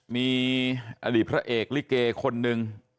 มีอดีตพระเอกลิเกคนหนึ่ง